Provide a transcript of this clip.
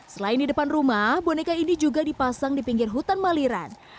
selain di depan rumah boneka ini juga dipasang di pinggir hutan maliran